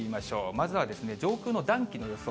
まずは上空の暖気の予想。